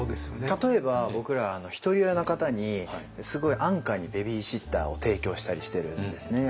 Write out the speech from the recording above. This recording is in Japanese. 例えば僕らひとり親の方にすごい安価にベビーシッターを提供したりしてるんですね